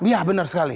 iya benar sekali